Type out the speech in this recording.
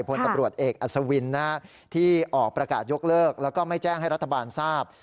พลตำรวจเอกอัศวินที่ออกประกาศยกเลิกแล้วก็ไม่แจ้งให้รัฐบาลทราบ